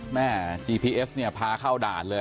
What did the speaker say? แม่จีพีเอสเนี่ยพาเข้าด่านเลย